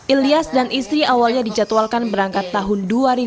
ilyas dan istri awalnya dicatualkan berangkat tahun dua ribu delapan belas